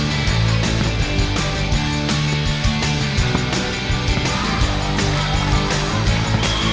kelas kita tanting poli